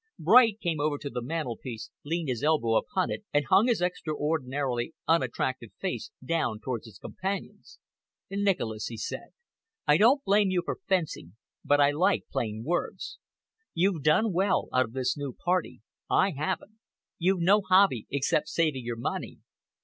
Bright came over to the mantelpiece, leaned his elbow upon it, and hung his extraordinarily unattractive face down towards his companion's. "Nicholas," he said, "I don't blame you for fencing, but I like plain words. You've done well out of this new Party. I haven't. You've no hobby except saving your money.